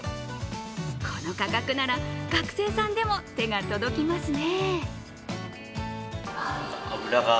この価格なら学生さんでも手が届きますね。